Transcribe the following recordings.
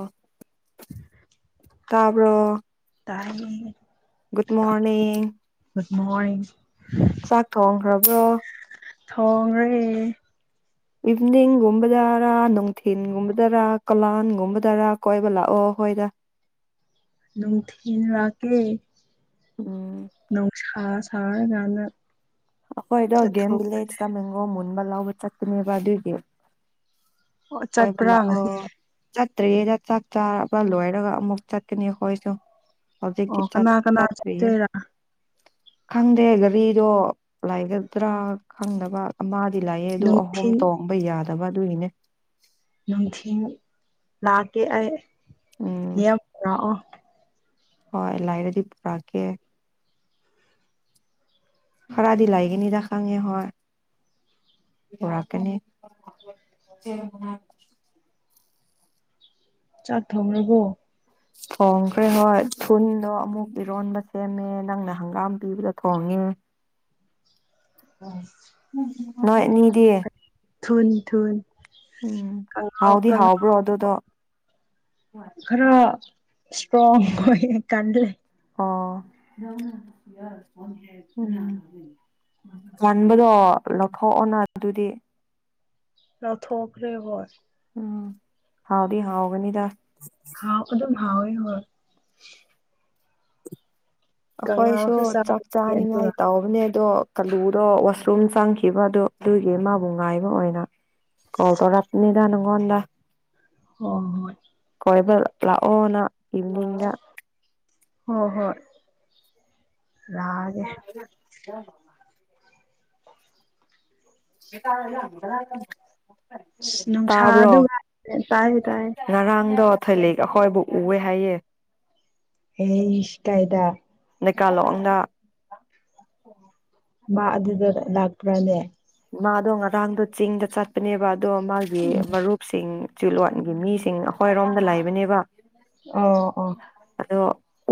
ꯑ ꯇꯥꯔꯕꯣ ꯇꯥꯏ ꯒꯨꯗ ꯃꯣꯔꯅꯤꯡ ꯃꯣꯔ ꯆꯥꯛ ꯊꯣꯡꯈ꯭ꯔꯕ꯭ꯔꯣ ꯊꯣꯡꯔꯤ ꯏꯚꯅꯤꯡꯒꯨꯝꯕꯗꯔꯥ ꯅꯨꯡꯊꯤꯤꯟꯒꯨꯝꯕꯗꯔ ꯀꯂꯥꯟꯒꯨꯝꯕꯗꯔ ꯀꯣꯏꯕ ꯂꯥꯛꯑꯣ ꯍꯣꯏꯗ ꯝ ꯊꯤꯟ ꯔꯀꯦ ꯎꯝ ꯍ ꯁꯅ ꯀꯥꯟꯅ ꯑꯣꯏꯗꯣ ꯒꯦꯝ ꯂꯩꯦ ꯏ ꯇ ꯃꯦꯡꯣ ꯊꯝꯕ ꯂꯥꯎꯕ ꯆꯠꯠꯇꯅꯦꯕ ꯑꯗꯨꯗꯣ ꯑꯣ ꯆꯠꯄ꯭ꯔꯥ ꯉꯁꯤ ꯇ꯭ꯔꯦꯗ ꯆꯥꯛ ꯆꯥꯔꯕ ꯂꯣꯏꯔꯒ ꯑꯃꯨꯛ ꯆꯠꯀꯅꯤ ꯑꯩꯈꯣꯏꯁꯨ ꯍꯧꯖꯤꯛꯇꯤ ꯑꯣ ꯆꯠ ꯀꯅꯥ ꯀꯅꯥ ꯆꯠꯇ꯭ꯔꯤꯌꯦ ꯆꯠꯇꯦꯔ ꯈꯪꯗꯦ ꯒꯥꯔꯤꯗꯣ ꯂꯥꯏꯒꯗ꯭ꯔꯥ ꯈꯪꯅꯕ ꯑꯃ ꯂꯥꯛꯑꯦ ꯑꯗꯨ ꯑꯍꯨꯝ ꯅꯨꯡꯊꯤꯟ ꯇꯣꯡꯕ ꯌꯥꯗꯦ ꯍꯕꯥ ꯑꯗꯨꯏꯅꯦ ꯅꯨꯡꯊꯤ ꯂꯥꯛꯀꯦ ꯑꯩ ꯎꯝ ꯌꯦ ꯍꯣꯏ ꯂꯥꯏꯔꯗꯤ ꯄꯨꯔꯛꯀꯦ ꯈꯔꯗꯤ ꯂꯥꯏꯒꯅꯤꯗ ꯈꯪꯉꯦ ꯍꯣꯏ ꯄꯨꯔꯛꯀꯅꯤ ꯆꯥꯛ ꯊꯣꯡ꯭ꯔꯕꯣ ꯐꯣꯡꯈ꯭ꯔꯦ ꯅꯣꯏ ꯐꯨꯟꯗꯣ ꯑꯃꯨꯛ ꯄꯔꯣꯟꯕ ꯁꯦꯝꯃꯦ ꯅꯪꯅ ꯍꯪꯒꯥꯝ ꯄꯤꯕꯗ ꯊꯣꯡꯉꯦ ꯎꯝ ꯅꯣꯏꯅꯤꯗꯤ ꯊꯣꯟ ꯊꯣꯟ ꯎꯝ ꯍꯥꯎꯗꯤ ꯍꯥꯎꯕ꯭ꯔꯣ ꯑꯗꯨꯗ ꯈꯔꯣ ꯁꯇ꯭ꯔꯣ ꯌꯥꯀꯥꯟ꯭ꯔꯦ ꯑꯣ ꯆꯥꯟꯕꯗꯣ ꯂꯧꯊꯣꯛꯑꯣꯅ ꯑꯗꯨꯗꯤ ꯅꯊꯄꯂꯤ ꯑꯣꯏꯣꯏ ꯎꯝ ꯍꯥꯎꯗꯤ ꯍꯥꯎꯒꯅꯤꯗ ꯍꯣꯏ ꯍꯣꯏ ꯑꯩꯈꯣꯏꯁꯨ ꯀꯥꯡꯉꯧꯁꯨ ꯆꯥꯛ ꯆꯥꯔꯦ ꯆꯥꯅꯤꯡꯉꯥꯏ ꯑꯗꯨꯒ ꯇꯧꯕꯅꯦ ꯑꯗꯣ ꯑꯥꯂꯨꯗꯣ ꯋꯥꯁꯔꯨꯝ ꯆꯪꯈꯤꯕ ꯑꯗꯨ ꯑꯗꯨꯒꯤ ꯃꯥꯕꯨ ꯉꯥꯏꯕ ꯑꯣꯏꯅ ꯀꯣ ꯇꯔꯅꯤ ꯗꯥꯅꯅꯨꯡꯉ ꯍ ꯍꯣꯏ ꯀꯣꯏꯕ ꯂꯥꯛꯑꯣꯅ ꯏꯚꯅꯤꯡꯗ ꯍꯣꯏ ꯍꯣꯏ ꯔꯒꯦ ꯑ ꯇꯥꯂ ꯑ ꯉꯥꯛ ꯅꯨꯡꯁꯥ ꯑꯗꯨꯒ ꯇꯥꯏꯌꯦ ꯇꯥꯏꯌꯦ ꯀꯊꯂꯤ ꯑꯩꯈꯣꯏꯕꯨ ꯎꯑꯦ ꯍꯥꯏꯌꯦ ꯑꯦ ꯏꯁ ꯍꯥꯏꯗ ꯂꯩꯀꯥꯂꯣꯗ ꯃꯥ ꯑꯗꯨꯗ ꯂꯥꯛꯄ꯭ꯔꯅꯦ ꯃꯥꯗꯣ ꯉꯔꯥꯡꯗꯣ ꯆꯤꯡꯗ ꯆꯠꯄꯅꯦꯕ ꯑꯗꯣ ꯃꯥꯒꯤ ꯃꯔꯨꯞꯁꯤꯡ ꯆꯤꯂꯣꯒꯤ ꯃꯤꯁꯤꯡ ꯑꯩꯈꯣꯏꯔꯣꯝꯗ ꯂꯩꯕꯅꯦꯕ ꯑ ꯑ ꯑꯗꯣ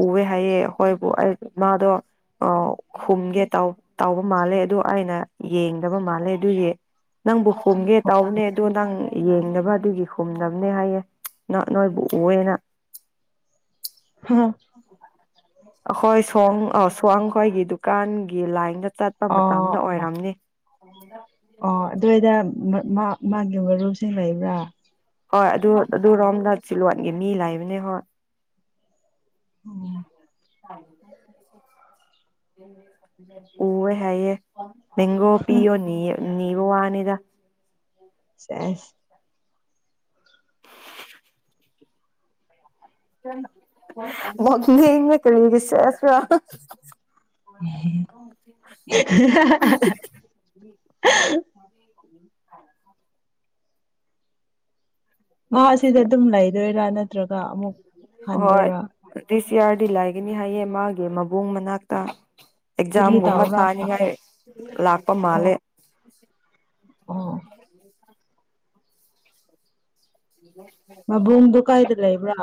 ꯎꯑꯦ ꯍꯥꯏꯌꯦꯦ ꯍꯣꯏꯕꯨ ꯑꯩ ꯃꯥꯗꯣ ꯑ ꯍꯨꯝꯒꯦ ꯇꯥꯎꯕ ꯃꯥꯜꯂꯦ ꯑꯗꯨꯣ ꯑꯩꯅ ꯌꯦꯡꯒꯦ ꯈꯪꯗꯕ ꯃꯥꯜꯂꯦ ꯑꯗꯨꯒꯤ ꯅꯪꯕꯨ ꯍꯨꯝꯒꯦ ꯇꯥꯎꯕꯅꯦ ꯑꯗꯣ ꯅꯪ ꯌꯦꯡꯅꯕ ꯑꯗꯨꯒꯤ ꯍꯨꯝꯗꯅꯕꯅꯦ ꯍꯥꯏꯌꯦꯦ ꯅꯣꯏꯕꯨ ꯎꯌꯦꯅ ꯍꯥꯥ ꯑꯩꯈꯣꯏ ꯁ ꯑ ꯁꯋꯥꯡꯈꯣꯏꯒꯤ ꯗꯨꯀꯥꯟꯒꯤ ꯂꯥꯏꯟꯗ ꯆꯠꯄ ꯑꯣ ꯃꯇꯝꯗ ꯑꯣꯏꯔꯝꯅꯤ ꯑꯗ ꯑꯣ ꯑꯗꯨꯗ ꯃꯥ ꯃꯥꯒꯤ ꯃꯔꯨꯞꯁꯤꯡ ꯂꯩꯕ꯭ꯔꯥ ꯍꯣꯏ ꯑꯗꯨ ꯑꯗꯨ ꯔꯣꯝꯗ ꯆꯤꯂꯣꯟꯒꯤ ꯃꯤ ꯂꯩꯕꯅꯦ ꯍꯣꯏ꯫ ꯎꯝ [unintelligible] ꯑꯨꯋꯦ ꯍꯥꯏꯌꯦ꯫ ꯃꯦꯡꯒꯣ ꯄꯤꯌꯣ ꯅꯤꯑꯦ꯫ ꯅꯤꯕ ꯋꯥꯅꯤꯗ꯫ ꯁꯦꯁ ꯅꯣꯛꯅꯤꯡꯏ ꯀꯔꯤꯒꯤ ꯁꯦꯁ ꯔ [unintelligible] [unintelligible] [unintelligible] ꯃꯍꯥꯛ ꯁꯤꯗ ꯑꯗꯨꯝ ꯂꯩꯗꯣꯏꯔꯥ ꯅꯠꯇ꯭ꯔꯒ ꯑꯃꯨꯛ ꯍꯣꯏ ꯍꯟꯗꯣꯏꯔꯥ ꯗꯤꯁ ꯌꯥꯔꯗꯤ ꯂꯩꯒꯅꯤ ꯍꯥꯏꯌꯦ ꯃꯥꯒꯤ ꯃꯕꯨꯡ ꯃꯅꯥꯛꯇ꯫ ꯀꯔꯤ ꯑꯦꯛꯖꯥꯝꯒꯨꯝꯕ ꯇꯧꯕ꯭ꯔꯥ ꯊꯥꯅꯤꯡꯉꯥꯏ ꯂꯥꯛꯄ ꯑꯣ ꯃꯥꯜꯂꯦ ꯑꯣ [unintelligible] ꯃꯕꯨꯡꯗꯨ ꯀꯥꯏꯗ ꯂꯩꯕ꯭ꯔꯥ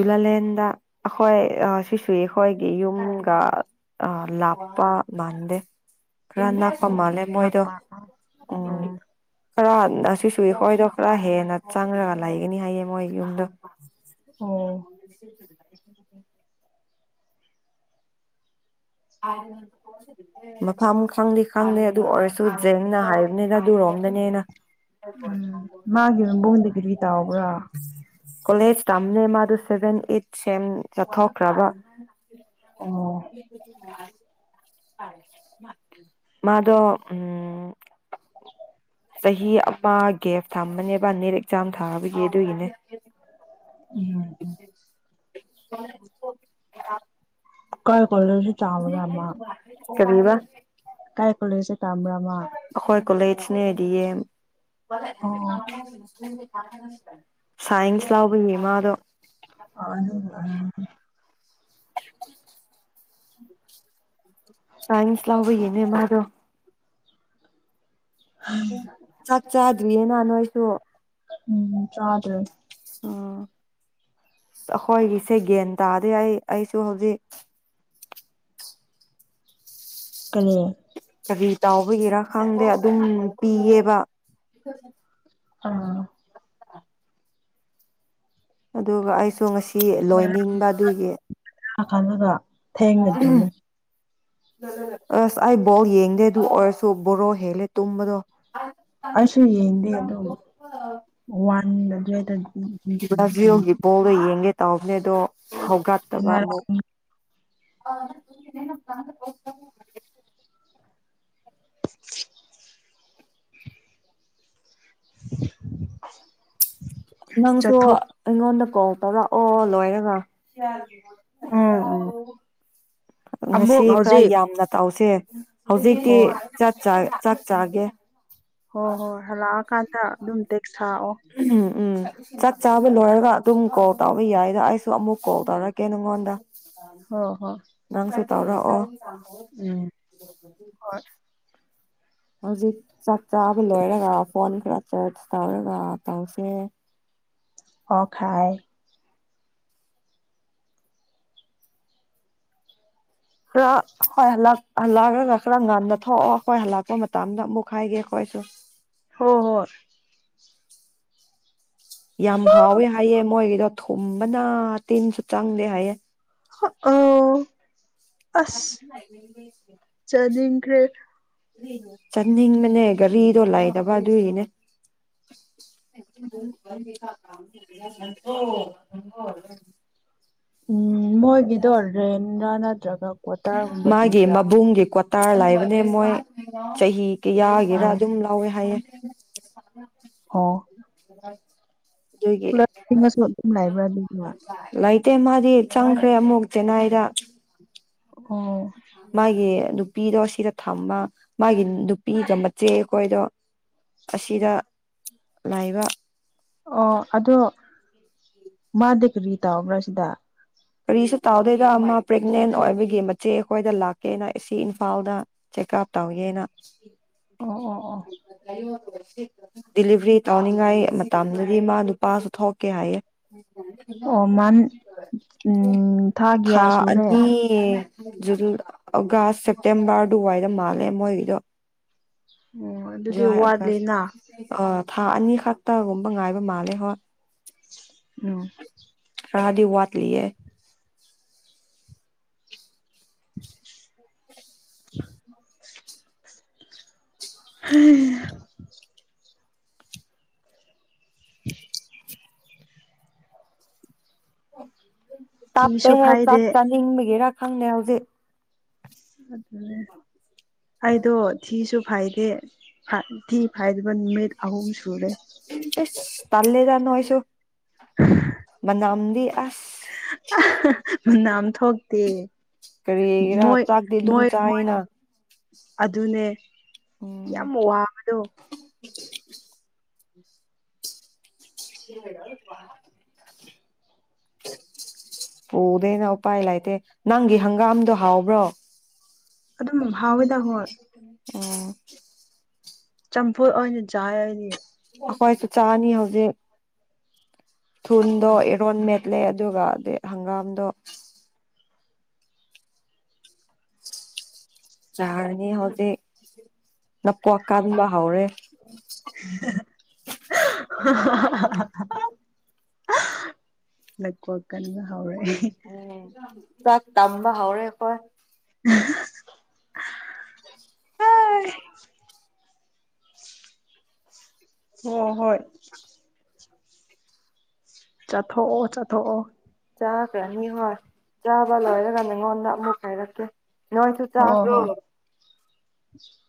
ꯂꯥꯂꯦꯟꯗ ꯑꯩꯈꯣꯏ ꯁꯤꯁꯨ ꯑꯩꯈꯣꯏꯒꯤ ꯌꯨꯝꯒ ꯂꯥꯞꯄ ꯃꯥꯟꯗꯦ ꯈꯔ ꯅꯛꯄ ꯑꯣ ꯃꯥꯜꯂꯦ ꯃꯣꯏꯗꯣ ꯅꯛꯄ ꯎꯝ꯫ ꯑꯣ ꯈꯔ ꯑꯁꯤꯁꯨ ꯑꯩꯈꯣꯏꯗꯣ ꯈꯔ ꯍꯦꯟꯅ ꯆꯪꯔꯒ ꯂꯩꯒꯅꯤ ꯍꯥꯏꯌꯦ ꯃꯣꯏ ꯌꯨꯝꯗꯣ꯫ ꯑꯣ [unintelligible] ꯃꯐꯝ ꯈꯪꯗꯤ ꯈꯪꯗꯦ ꯑꯗꯨ ꯑꯣꯏꯔꯁꯨ ꯖꯦꯡꯅ ꯍꯥꯏꯕꯅꯤꯗ ꯑꯗꯨꯔꯣꯝꯗꯅꯦꯅ꯫ ꯎꯝ ꯃꯥꯒꯤ ꯃꯕꯨꯡꯗꯤ ꯀꯔꯤ ꯇꯥꯎꯕ꯭ꯔꯥ꯫ ꯀꯣꯂꯦꯖ ꯇꯝꯅꯦ ꯃꯥꯗ ꯁꯦꯚꯦꯟ ꯑꯩꯠ ꯁꯦꯝ ꯆꯠꯊꯣꯛꯈ꯭ꯔꯕ꯫ ꯑꯣ [unintelligible] ꯃꯥꯗꯣ ꯎꯝ ꯆꯍꯤ ꯑꯃꯥ ꯒꯦꯞ ꯊꯝꯕꯅꯦꯕ ꯅꯦꯠ ꯑꯦꯛꯖꯥꯝ ꯊꯥꯕꯒꯤ ꯑꯗꯨꯒꯤꯅꯦ꯫ ꯎꯝ ꯎꯝ [unintelligible] [unintelligible] ꯀ [unintelligible] ꯀꯔꯤꯕ꯫ ꯀꯥꯏ ꯀꯣꯂꯦꯁꯇ ꯇꯝꯕꯔ ꯃꯥ ꯀꯣꯂꯦꯖꯅ ꯗꯤ ꯌꯦꯝ ꯑꯣ [unintelligible] ꯁꯥꯏꯟꯁ ꯂꯥꯎꯕꯒꯤ ꯃꯥꯗꯣ ꯑꯗꯨ ꯑ ꯁꯥꯏꯟꯁ ꯂꯧꯕꯒꯤꯅꯦ ꯃꯥꯗꯣ ꯎ ꯆꯠ ꯆꯥꯗ꯭ꯔꯤꯌꯦꯅ ꯅꯣꯏꯁꯨ ꯎꯝ ꯆꯥꯗ꯭ꯔꯦ ꯎꯝ ꯑꯈꯣꯏꯒꯤꯁꯦ ꯒ꯭ꯌꯥꯟ ꯇꯥꯗꯤ ꯑꯩ ꯑꯩꯁꯨ ꯍꯧꯖꯤꯛ ꯀꯔꯤ ꯀꯔꯤ ꯇꯥꯎꯕꯒꯤꯔꯥ ꯈꯪꯗꯦ ꯑꯗꯨꯝ ꯄꯤꯌꯦꯕ ꯑꯥ ꯑꯗꯨꯒ ꯑꯩꯁꯨ ꯉꯁꯤ ꯁꯤ ꯂꯣꯏꯅꯤꯡꯕ ꯑꯗꯨꯒꯤ [unintelligible] ꯊꯦꯡꯠꯇꯃꯦ ꯑꯁ ꯑꯩ ꯕꯣꯔꯣꯛ ꯌꯦꯡꯗꯦ ꯑꯗꯨ ꯑꯣꯏꯔꯁꯨ ꯕꯣꯔꯣ ꯍꯦꯜꯂꯦ ꯇꯨꯝꯕꯗꯣ ꯑꯩꯁꯨ ꯌꯦꯡꯗꯦ ꯑꯗꯨꯝ ꯋꯥꯟ ꯑꯗꯨꯋꯥꯏꯗ ꯕ꯭ꯔꯥꯖꯤꯜꯒꯤ [unintelligible] ꯕꯣꯜꯗꯣ ꯌꯦꯡꯒꯦ ꯇꯧꯕꯅꯦ ꯑꯗꯣ ꯍꯧꯒꯠꯇꯕ ꯑꯃꯨꯛ ꯉꯔꯥꯡ [unintelligible] [inaudible] [inaudible] ꯅꯪꯁꯨ ꯆꯠꯊꯣꯛ ꯑꯩꯉꯣꯟꯗ ꯀꯣ ꯇꯧꯔꯛ ꯑꯣ ꯂꯣꯏꯔꯒ ꯎꯝ ꯎꯝ ꯉꯁꯤ ꯑꯃꯨꯛ ꯈꯔ ꯍꯧꯖꯤꯛ ꯌꯥꯝꯅ ꯇꯧ ꯆꯦ ꯍꯧꯖꯤꯛꯇꯤ ꯍꯣꯏ ꯆꯥꯛ ꯆꯥ ꯆꯥꯛ ꯆꯥꯒꯦ ꯍꯣꯏ ꯍꯣꯏ ꯍꯜꯂꯛꯑꯀꯥꯟꯗ ꯑꯗꯨꯝ ꯇꯦꯛꯁ ꯊꯥꯔꯛꯑꯣ ꯎꯝ ꯎꯝ ꯆꯥꯛ ꯆꯥꯕ ꯂꯣꯏꯔꯒ ꯑꯗꯨꯝ ꯀꯣꯜ ꯇꯧꯕ ꯌꯥꯏꯗ ꯑꯩꯁꯨ ꯑꯃꯨꯛ ꯀꯣꯜ ꯇꯧꯔꯛꯀꯦ ꯅꯪꯉꯣꯟꯗ ꯍꯣꯏ ꯍꯣꯏ ꯅꯪꯁꯨ ꯇꯧꯔꯛꯑꯣ [inaudible] ꯎꯝ ꯍꯣꯏ ꯍꯧꯖꯤꯛ ꯆꯥꯛ ꯆꯥꯕ ꯂꯣꯏꯔꯒ ꯐꯣꯟ ꯈꯔ ꯇꯧꯔꯒ ꯇꯧꯁꯦ ꯑꯣ ꯈꯥꯏ ꯈꯔ ꯈꯣꯏ ꯍꯜ ꯂꯛ ꯍꯜꯂꯛꯑꯒꯒ ꯈꯔ ꯉꯟꯅ ꯊꯣꯛꯑꯣ ꯑꯈꯣꯏ ꯍꯜꯂꯛꯄ ꯃꯇꯝꯗ ꯑꯃꯨꯛ ꯍꯥꯏꯒꯦ ꯈꯣꯏꯁꯨ ꯍꯣ ꯍꯣꯏ ꯌꯥꯝ ꯍꯥꯎꯋꯦ ꯍꯥꯏꯌꯦ ꯃꯣꯏꯒꯤꯗꯣ ꯊꯨꯝꯕꯅ ꯇꯤꯟꯁꯨ ꯆꯪꯗꯦ ꯍꯥꯏꯌꯦꯦ ꯑꯣ ꯑꯁ ꯆꯗꯤ ꯐ ꯆꯠꯅꯤꯡꯕꯅꯦ ꯒꯥꯔꯤꯗꯣ ꯂꯩꯥꯇꯕ ꯑꯗꯨꯒꯤꯅꯦ ꯑꯣꯝ ꯃꯣꯏꯒꯤꯗꯣ ꯔꯦꯟꯗꯥ ꯅꯠꯇ꯭ꯔꯒ ꯀ꯭ꯋꯥꯇꯔꯒꯨꯝꯕ ꯄꯤꯕ꯭ꯔꯥ ꯇꯥꯔ ꯂꯩꯕꯅꯦ ꯃꯣꯏ ꯆꯍꯤ ꯀꯌꯥꯒꯤꯔꯥ ꯑꯣ ꯑꯗꯨꯝ ꯂꯥꯎꯋꯦ ꯍꯥꯏꯌꯦ [unintelligible] ꯑꯣ [inaudible] ꯑꯗꯨꯒꯤ ꯄꯨꯂꯞꯁꯨ ꯑꯗꯨꯝ ꯂꯩꯕ꯭ꯔꯗꯤ ꯅꯠꯇꯦ ꯃꯗꯤ ꯆꯥꯡ ꯈ꯭ꯔꯦ ꯑꯃꯨꯛ ꯆꯦꯅꯥꯏꯗ ꯑꯣ ꯃꯥꯒꯤ ꯅꯨꯄꯤꯗꯣ ꯁꯤꯗ ꯊꯝꯕ ꯃꯥꯒꯤ ꯅꯨꯄꯤꯒ ꯃꯆꯦꯒ ꯑꯩꯈꯣꯏꯗꯣ ꯑꯁꯤꯗ ꯂꯩꯕ ꯑꯣ ꯑꯗꯣ ꯃꯥꯗꯤ ꯀꯔꯤ ꯇꯧꯕ꯭ꯔ ꯁꯤꯗ ꯀꯔꯤꯁꯨ ꯇꯧꯗꯦꯗ ꯃ ꯄ꯭ꯔꯦꯒꯅꯦꯟ ꯑꯣꯏꯕꯒꯤ ꯃꯆꯦ ꯑꯩꯈꯣꯏꯗ ꯂꯥꯛꯀꯦꯅ ꯑ ꯏꯝꯐꯥꯜꯗ ꯆꯦꯛꯑꯞ ꯇꯧꯒꯦꯅ ꯑꯣ ꯑꯣ ꯑꯣ ꯗꯤꯂꯤꯚꯔꯤ ꯇꯧꯅꯤꯡꯉꯥꯏ ꯃꯇꯝꯗꯗꯤ ꯃꯥ ꯅꯨꯄꯥꯁꯨ ꯊꯣꯛꯀꯦ ꯍꯥꯏꯌꯦ ꯑꯣ ꯃꯥ ꯎꯝ ꯊꯥꯀꯌꯥ ꯊꯥ ꯁꯨꯔꯦ ꯑꯅꯤ ꯖꯨꯟ ꯑꯣꯒꯁ ꯁꯦꯞꯇꯦꯝꯕꯔ ꯑꯗꯨꯋꯥꯏꯗ ꯃꯥꯜꯂꯦ ꯃꯣꯏꯒꯤꯗꯣ ꯑꯣ ꯑꯗꯨꯗꯤ ꯖꯨꯂꯥꯏ ꯋꯥꯠꯂꯤꯅ ꯑꯥꯒꯁ ꯑ ꯊꯥ ꯑꯅꯤꯈꯛꯇꯒꯨꯝꯕ ꯉꯥꯏꯕ ꯃꯥꯜꯂꯦ ꯍꯣꯏ ꯑ ꯈꯔꯥꯗꯤ ꯋꯥꯠ ꯂꯤ ꯎꯝ ꯍꯝ [inaudible] ꯇꯞꯄꯦ ꯊꯤꯁꯨ ꯍꯦ ꯆꯥꯛ ꯐꯥꯏꯗꯦ ꯆꯥ ꯃꯒꯦꯔ ꯈꯪꯗꯦ ꯍꯧꯖꯤꯛ ꯎꯝ ꯑꯗꯨꯅꯦ ꯑꯩꯗꯣ ꯊꯤꯁꯨ ꯐꯥꯏꯗꯦ ꯊꯤ ꯐꯥꯏꯗꯕ ꯅꯨꯃꯤꯠ ꯑꯍꯨꯝ ꯁꯨꯔꯦ ꯇꯜ ꯂꯤꯗ ꯅꯣꯏꯁꯨ ꯃꯅꯝꯅ ꯑꯩ ꯑꯁ ꯑ ꯅꯝ ꯀꯔꯤꯔꯥ ꯆꯥꯛꯇꯤ ꯑꯗꯨꯝ ꯃꯣꯏ ꯃꯣꯏ ꯆꯥꯏꯅ ꯑꯗꯨꯅꯦ ꯌꯥꯝ ꯋꯥ ꯋꯥꯕꯗꯣ ꯍ ꯔ ꯄꯨꯗꯦꯅ ꯎꯄꯥꯏ ꯂꯩꯇꯦ ꯅꯪꯒꯤ ꯍꯪꯒꯥꯝꯗꯣ ꯍꯥꯎꯕ꯭ꯔꯣ ꯑꯗꯨꯝꯍꯥꯎꯗ ꯍꯣꯏ ꯎꯝ ꯆꯝꯐꯨꯠꯅꯤ ꯖꯥꯏ ꯍꯥꯏꯅꯤ ꯑꯩꯈꯣꯏꯁꯨ ꯆꯥꯅꯤ ꯍꯧꯖꯤꯛ ꯊꯟꯗ ꯑꯦꯔꯣꯟꯃꯦꯠ ꯂꯩ ꯑꯗꯨꯒꯗꯤ ꯍꯪꯒꯥꯝꯗꯣ ꯆꯥꯔꯅꯤ ꯍꯧꯗꯤ ꯅꯄꯣ ꯀꯟꯕ ꯍꯧꯔꯦ ꯂ ꯀꯋꯥ ꯀꯅꯤꯡꯒ ꯍꯧ꯭ꯔꯦ ꯎꯝ ꯇꯝꯕ ꯍꯧꯔꯦꯀꯣꯏ ꯎ ꯎ ꯍꯣꯢ ꯍꯣꯏ ꯆꯠꯊꯣꯛꯑꯣ ꯆꯠꯊꯣꯛꯑꯣ ꯆꯥꯈ꯭ꯔꯅꯤ ꯍꯣꯏ ꯆꯥꯕ ꯂꯣꯏꯔꯒ ꯅꯉꯣꯟꯗ ꯑꯃꯨꯛ ꯍꯥꯏꯔꯛꯀꯦ ꯅꯣꯏ ꯆꯥꯗꯔꯣ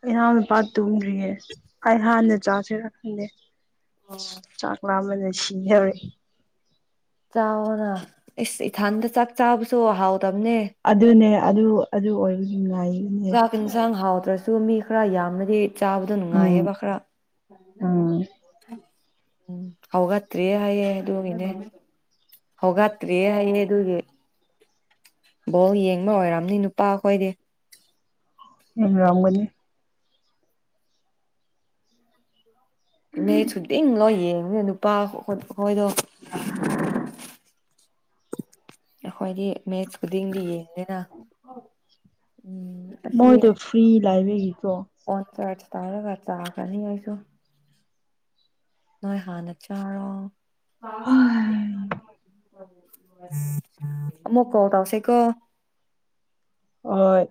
ꯑꯩꯍꯥꯟ ꯅꯨꯄꯥ ꯇꯨꯝꯗ꯭ꯔꯤꯌꯦ ꯑꯩ ꯍꯥꯟꯅ ꯆꯥꯁꯤꯔ ꯈꯟꯗꯦ ꯆꯥꯛ ꯂꯝꯕꯅꯦ ꯁꯤ ꯌꯥꯎꯔꯦ ꯆꯥꯎꯅ ꯑꯦꯁ ꯏꯊꯟꯗ ꯆꯥꯛ ꯆꯥꯕꯁꯨ ꯑꯍꯥꯎ ꯑꯗꯨꯅꯦ ꯑꯗꯨ ꯑꯗꯨ ꯑꯣꯏ ꯆꯥꯛ ꯏꯟꯁꯥꯡ ꯍꯥꯎꯗ꯭ꯔꯁꯨ ꯃꯤ ꯈꯔ ꯌꯥꯝꯅꯗꯤ ꯆꯥꯕꯗꯣ ꯎꯝ ꯅꯨꯡꯉꯥꯏꯌꯦꯕ ꯈꯔ ꯎꯝ ꯎꯝ ꯍꯧꯒꯠꯇ꯭ꯔꯤꯌꯦꯍꯥꯏꯌꯦ ꯑꯗꯨꯒꯤꯅꯦ ꯍꯧꯒꯠꯇ꯭ꯔꯤꯌꯦ ꯍꯥꯏꯌꯦ ꯑꯗꯨꯒꯤ ꯕꯣꯜ ꯌꯦꯡꯕ ꯑꯣꯏꯔꯝꯅꯤ ꯅꯨꯄꯥꯈꯣꯏꯗꯤ ꯎ ꯑꯅꯤ ꯃ ꯁꯨꯗꯤꯡ ꯂꯣ ꯌꯦꯡꯉꯅꯦ ꯅꯨꯄꯥ ꯑꯩꯣꯏꯗꯣ ꯑꯩꯈꯣꯏꯗꯤ ꯃꯦꯠꯁ ꯈꯨꯗꯤꯡ ꯂ ꯌꯦꯡꯗꯦꯅ ꯎꯝ ꯃꯣꯏ ꯇꯣ ꯐ꯭ꯔꯤ ꯂꯥꯏꯕꯦꯔꯤ ꯇꯣ ꯑꯣ ꯆ ꯇꯥꯔꯦ ꯈꯔ ꯆ ꯀꯅꯤ ꯑꯁꯨ ꯅꯣꯏ ꯍꯥꯟꯅ ꯆꯥꯔꯣ [unintelligible] ꯃꯀ ꯑꯣ ꯇꯁꯦꯀꯣ ꯑꯣꯏ